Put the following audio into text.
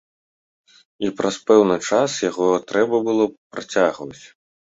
І праз пэўны час яго трэба было працягваць.